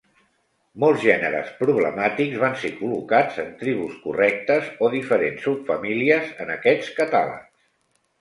Molts gèneres problemàtics van ser col·locats en tribus correctes o diferents subfamílies en aquests catàlegs.